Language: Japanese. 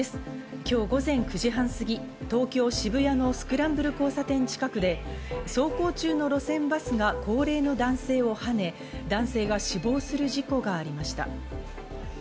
今日午前９時半すぎ、東京・渋谷のスクランブル交差点近くで走行中の路線バスが高齢の男性をはね、男性が死亡する事故がありました。